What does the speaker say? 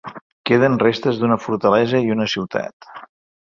Queden restes d'una fortalesa i una ciutat.